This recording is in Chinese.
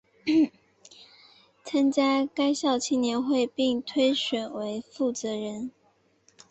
参加该校青年会并被推选为负责人。